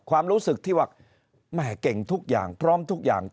ความรู้สึกที่ว่าแม่เก่งทุกอย่างพร้อมทุกอย่าง